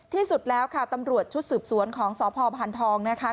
ที่สุดแล้วค่ะตำรวจชุดสืบสวนของสพพันธองนะคะ